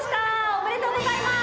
おめでとうございます。